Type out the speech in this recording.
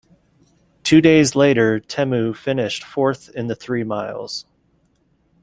Two days later, Temu finished fourth in the three miles.